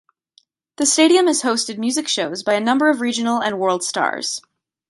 The stadium has hosted music shows by a number of regional and world stars.